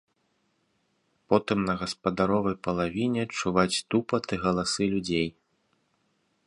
Потым на гаспадаровай палавіне чуваць тупат і галасы людзей.